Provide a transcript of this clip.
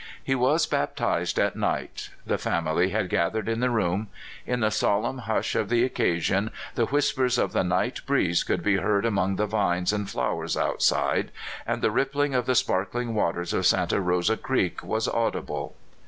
He was baptized at night. The family had gathered in the room. In the solemn hush of the occasion the whispers of the night breeze could be heard among the vines and flowers outside, and the rippling of the sparkling waters of Santa Rosa Creek was audible.